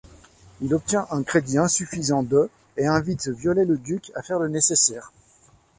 Il obtient un crédit insuffisant de et invite Viollet-le-Duc à faire le nécessaire.